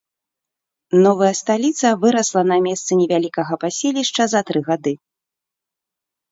Новая сталіца вырасла на месцы невялікага паселішча за тры гады.